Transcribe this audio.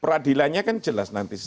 peradilannya kan jelas nanti